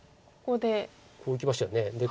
でこういきましたよね。